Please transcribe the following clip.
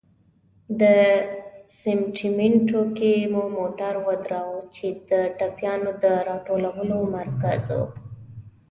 په سمسټمینټو کې مو موټر ودراوه، چې د ټپيانو د را ټولولو مرکز و.